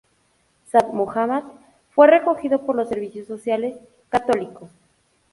Saad Muhammad fue recogido por los Servicios Sociales Católicos.